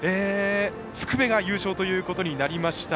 福部が優勝ということになりました。